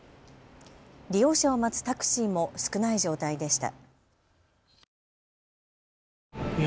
利用者を待つタクシーも少ない状態でした。